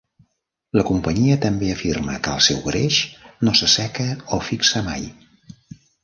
La companyia també afirma que el seu greix no s'asseca o fixa mai.